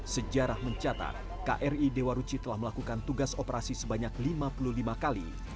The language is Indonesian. sejarah mencatat kri dewa ruci telah melakukan tugas operasi sebanyak lima puluh lima kali